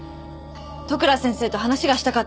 利倉先生と話がしたかったんです。